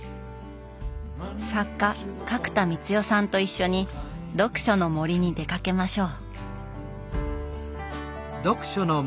作家角田光代さんと一緒に読書の森に出かけましょう！